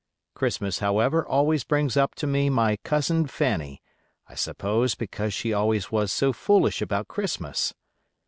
Christmas, however, always brings up to me my cousin Fanny; I suppose because she always was so foolish about Christmas.